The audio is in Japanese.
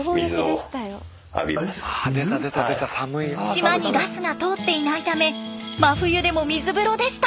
島にガスが通っていないため真冬でも水風呂でした。